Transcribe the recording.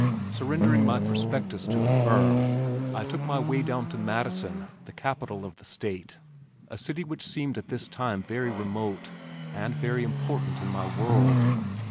Surrendering my prospectus to the firm, I took my way down to Madison, the capital of the state, a city which seemed at this time very remote, and very important in my world.